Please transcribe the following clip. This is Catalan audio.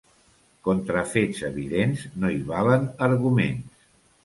Contra fets evidents no hi valen arguments.